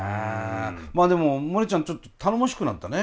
まあでもモネちゃんちょっと頼もしくなったね。